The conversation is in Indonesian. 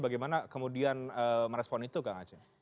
bagaimana kemudian merespon itu kang aceh